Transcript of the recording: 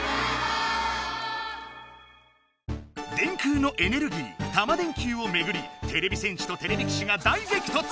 電空のエネルギータマ電Ｑをめぐりてれび戦士とてれび騎士が大げきとつ！